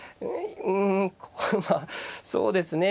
うんここまあそうですね